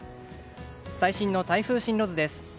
最新の台風進路図です。